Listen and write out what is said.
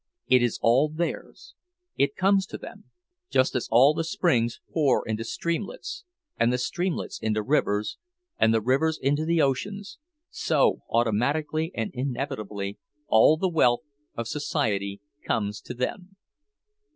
It is all theirs—it comes to them; just as all the springs pour into streamlets, and the streamlets into rivers, and the rivers into the oceans—so, automatically and inevitably, all the wealth of society comes to them.